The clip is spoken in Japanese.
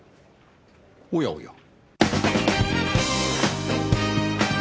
おやおや。